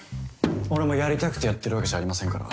俺もやりたくてやってるわけじゃありませんから。